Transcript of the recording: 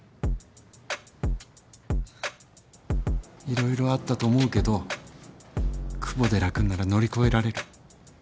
いろいろあったと思うけど久保寺君なら乗り越えられる。